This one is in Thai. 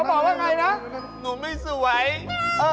เขาบอกหนูไม่สวยอ่ะ